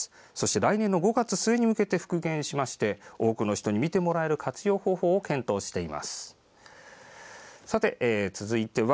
来年の５月末に向けて復元しまして多くの人に見てもらう活用方法を検討しています。